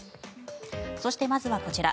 そして、まずはこちら。